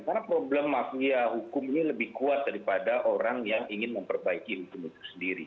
karena problem mafia hukum ini lebih kuat daripada orang yang ingin memperbaiki hukum itu sendiri